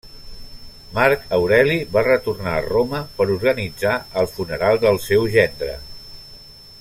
Marc Aureli va retornar a Roma per organitzar el funeral del seu gendre.